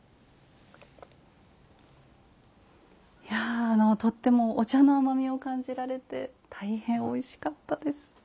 いやあのとってもお茶の甘みを感じられて大変おいしかったです。